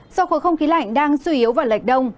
do khối không khí lạnh đang suy yếu vào lệch đông